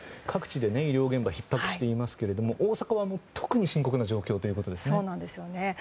各地で医療現場ひっ迫していますけれども大阪は特に深刻な状況ということですね。